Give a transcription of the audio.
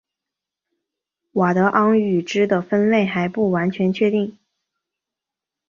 佤德昂语支的分类还不完全确定。